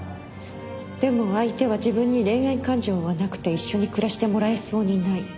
でも相手は自分に恋愛感情はなくて一緒に暮らしてもらえそうにない。